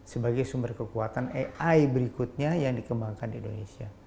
sebagai sumber kekuatan ai berikutnya yang dikembangkan di indonesia